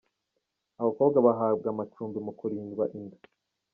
Abakobwa bahabwa amacumbi mu kurindwa inda.